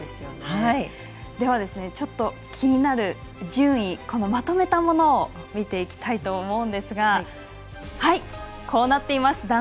では、気になる順位をまとめたものを見ていきたいと思うんですがこうなっています。